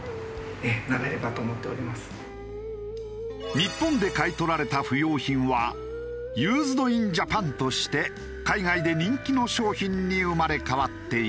日本で買い取られた不要品は「ユーズドインジャパン」として海外で人気の商品に生まれ変わっていた。